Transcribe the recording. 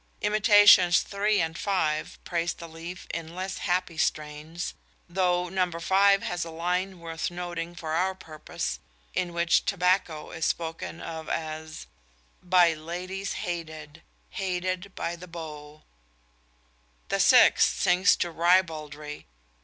_ Imitations three and five praise the leaf in less happy strains, though number five has a line worth noting for our purpose, in which tobacco is spoken of as By ladies hated, hated by the beaux. The sixth sinks to ribaldry.